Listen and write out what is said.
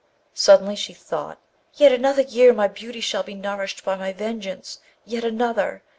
Suddenly she thought, 'Yet another year my beauty shall be nourished by my vengeance, yet another!